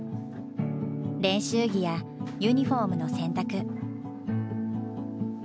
練習着やユニフォームの洗濯。